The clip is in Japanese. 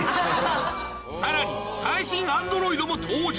⁉さらに最新アンドロイドも登場